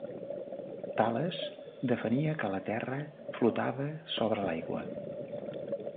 Tales defenia que la terra flotava sobre l'aigua.